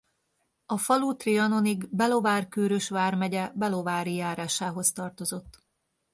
A falu Trianonig Belovár-Kőrös vármegye Belovári járásához tartozott.